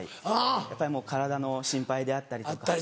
やっぱりもう体の心配であったりとか。